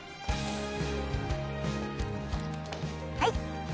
はい。